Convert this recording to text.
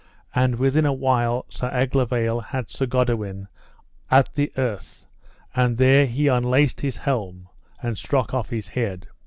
And within a while Sir Aglovale had Sir Goodewin at the earth, and there he unlaced his helm, and struck off his head.